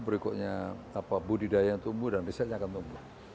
berikutnya budidaya yang tumbuh dan risetnya akan tumbuh